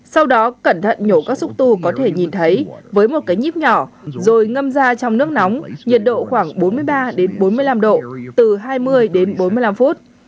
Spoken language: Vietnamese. sau đó cẩn thận nhổ các xúc tu có thể nhìn thấy với một cái nhíp nhỏ rồi ngâm ra trong nước nóng nhiệt độ khoảng bốn mươi ba đến bốn mươi năm độ từ hai mươi đến bốn mươi năm phút